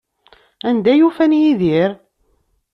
Anda ay ufan Yidir?